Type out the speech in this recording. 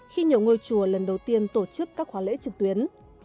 khi nhiều ngôi chùa lần đầu tiên tổ chức các khóa lễ trực tuyến